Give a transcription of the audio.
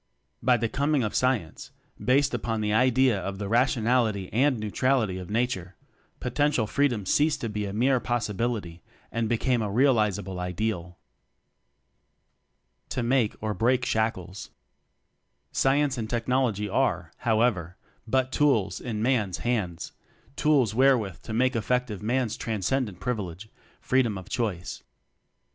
By the coming of Science based upon the idea of the rationality and neutrality of "nature" potential Free dom ceased to be a mere possibility and became a realizable Ideal. To Make or Break Shackles. Science and Technology are, how ever, but tools in Man's hands; tools wherewith to make effective Man's transcendent privilege: Freedom of Choice.